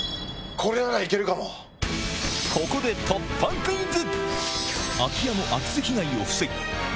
ここで突破クイズ！